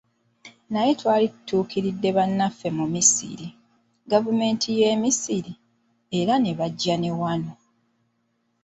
Naye twali tutuukiridde bannaffe mu Misiri, Gavumenti ya Misiri, era ne bajja ne wano.